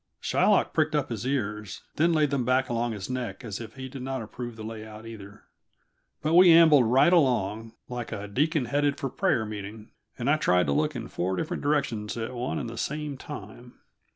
Shylock pricked up his ears, then laid them back along his neck as if he did not approve the layout, either. But we ambled right along, like a deacon headed for prayer meeting, and I tried to look in four different directions at one and the same time.